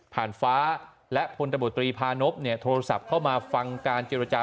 ฟ้าและพลตบตรีพานพโทรศัพท์เข้ามาฟังการเจรจา